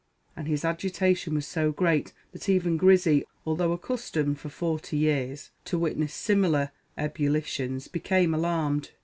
And his agitation was so great that even Grizzy, although accustomed for forty years to witness similar ebullitions, became alarmed.